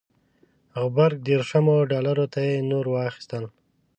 غبرګ دېرشمو ډالرو ته یې نور واخیستل.